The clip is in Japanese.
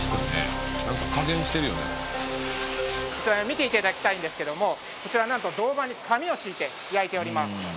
見て頂きたいんですけどもこちらなんと銅板に紙を敷いて焼いております。